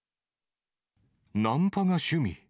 ナンパが趣味。